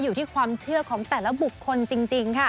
อยู่ที่ความเชื่อของแต่ละบุคคลจริงค่ะ